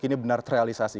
ini benar terrealisasi